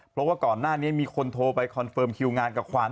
เพราะว่าก่อนหน้านี้มีคนโทรไปคอนเฟิร์มคิวงานกับขวัญ